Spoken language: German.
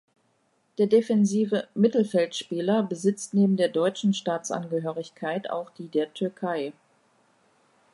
Der defensive Mittelfeldspieler besitzt neben der deutschen Staatsangehörigkeit auch die der Türkei.